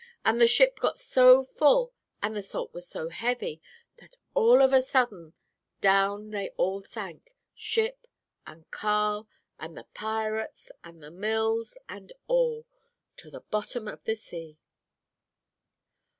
And the ship got so full, and the salt was so heavy, that, all of a sudden, down they all sank, ship and Carl and the pirates and the mills and all, to the bottom of the sea."